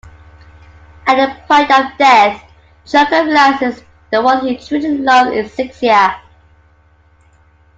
At the point of death, Joker realises the one he truly loves is Zixia.